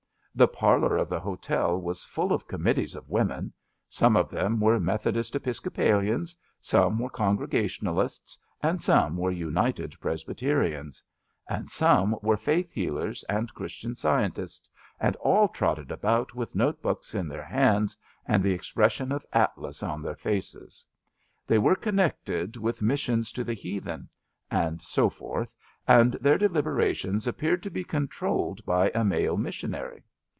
The parlour of the hotel was full of committees of women; some of them were Methodist Episco palians, some were Congregationalists, and some were United Presbyterians ; and some were faith healers and Christian Scientists, and all trotted about with notebooks in their hands and the ex pression of Atlas on their faces. They were con nected with missions to the heathen, and so forth, and their deliberations appeared to be controlled by a male missionary.